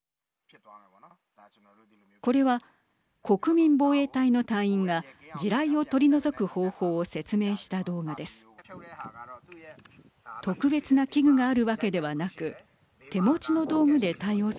これは国民防衛隊の隊員が地雷を取り除く方法を説明した動画です。